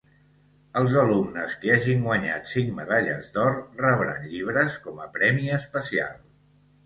Els alumnes que hagin guanyat cinc medalles d'or rebran llibres com a premi especial.